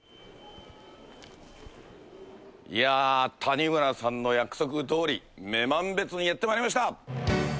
いやー、谷村さんの約束どおり、女満別にやってまいりました！